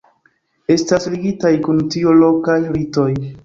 Estas ligitaj kun tio lokaj ritoj.